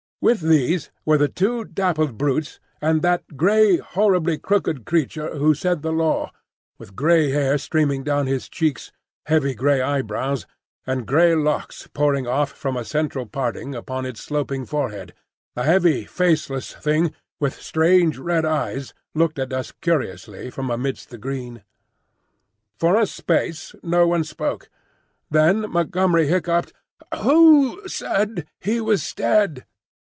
With these were the two dappled brutes and that grey, horribly crooked creature who said the Law, with grey hair streaming down its cheeks, heavy grey eyebrows, and grey locks pouring off from a central parting upon its sloping forehead,—a heavy, faceless thing, with strange red eyes, looking at us curiously from amidst the green. For a space no one spoke. Then Montgomery hiccoughed, "Who—said he was dead?"